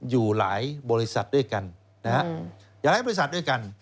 อยู่หลายบริษัทด้วยกัน